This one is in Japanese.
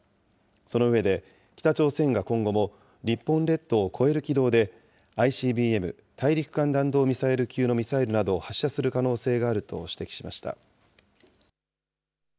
その上で、北朝鮮が今後も、日本列島を越える軌道でＩＣＢＭ・大陸間弾道ミサイル級のミサイルなどを発射する可能性があると指摘しました。